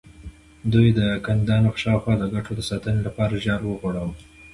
دوی د کاندیدانو پر شاوخوا د ګټو د ساتنې لپاره جال وغوړاوه.